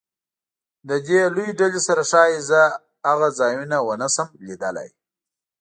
له دې لویې ډلې سره ښایي زه هغه ځایونه ونه شم لیدلی.